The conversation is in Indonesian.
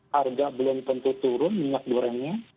harga belum tentu turun minyak gorengnya